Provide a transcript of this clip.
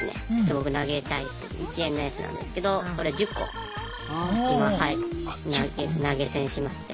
僕投げたいと１円のやつなんですけどこれ１０個今はい投げ銭しまして。